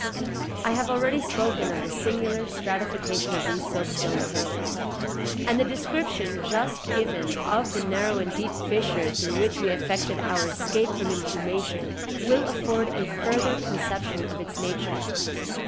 I have already spoken of the singular stratification of these soapstone hills; and the description just given of the narrow and deep fissure through which we effected our escape from inhumation will afford a further conception of its nature.